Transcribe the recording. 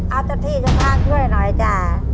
เอาเจ้าพี่จะพักช่วยหน่อยจ้ะ